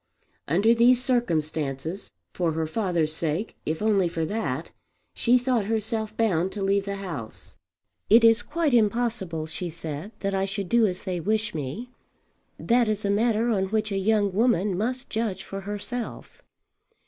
Under these circumstances, for her father's sake if only for that, she thought herself bound to leave the house. "It is quite impossible," she said, "that I should do as they wish me. That is a matter on which a young woman must judge for herself.